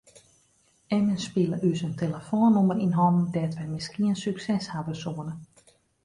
Immen spile ús in telefoannûmer yn hannen dêr't wy miskien sukses hawwe soene.